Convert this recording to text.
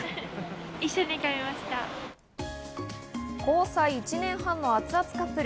交際１年半の熱々カップル。